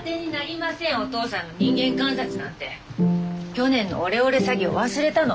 去年のオレオレ詐欺を忘れたの？